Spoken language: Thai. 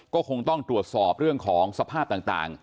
ก็คงต้องตรวจสอบเรื่องของสภาพต่าง